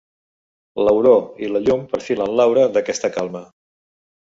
L'auró i la llum perfilen l'aura d'aquesta calma.